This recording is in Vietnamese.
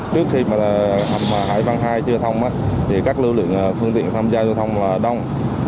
trước khi hầm hải vân ii chưa thông các lưu lượng phương tiện tham gia lưu thông đông